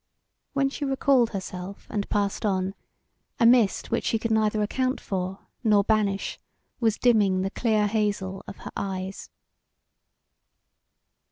When she recalled herself and passed on, a mist which she could neither account for nor banish was dimming the clear hazel of her eyes.